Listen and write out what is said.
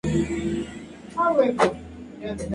La música fue escrita por Brian Tyler.